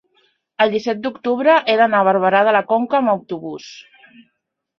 el disset d'octubre he d'anar a Barberà de la Conca amb autobús.